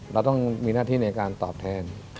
เราต้องมีหน้าที่ในการตอบแทน